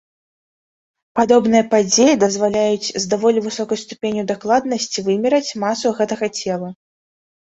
Падобныя падзеі дазваляюць з даволі высокай ступенню дакладнасці вымераць масу гэтага цела.